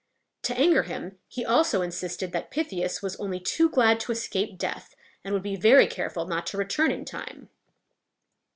To anger him, he also insisted that Pythias was only too glad to escape death, and would be very careful not to return in time.